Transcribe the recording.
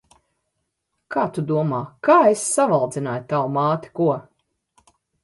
Kā tu domā, kā es savaldzināju tavu māti, ko?